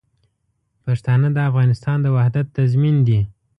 پښتانه د افغانستان د وحدت تضمین دي.